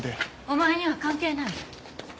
お前には関係ない。